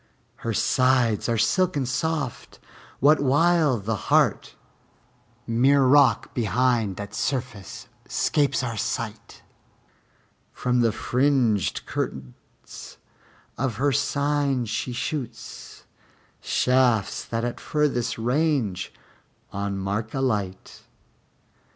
Her sides are silken soft, what while the heart Mere rock behind that surface 'scapes our sight; From the fringed curtains of her cyne she shoots Shafts that at furthest range on mark alight.